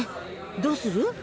どうする？